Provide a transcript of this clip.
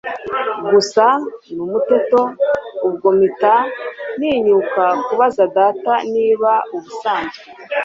gusa n'umuteto. ubwo mpita ntinyuka kubaza data niba ubusanzwe